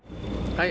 はい。